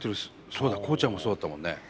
そうだコウちゃんもそうだったもんね。